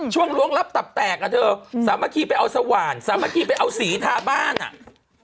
ล้วงรับตับแตกอ่ะเธอสามัคคีไปเอาสว่านสามัคคีไปเอาสีทาบ้านอ่ะ